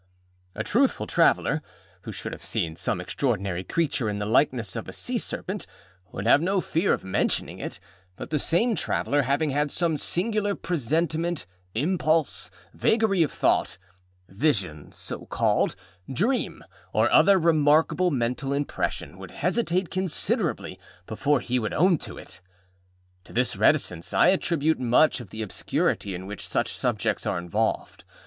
A truthful traveller, who should have seen some extraordinary creature in the likeness of a sea serpent, would have no fear of mentioning it; but the same traveller, having had some singular presentiment, impulse, vagary of thought, vision (so called), dream, or other remarkable mental impression, would hesitate considerably before he would own to it. To this reticence I attribute much of the obscurity in which such subjects are involved.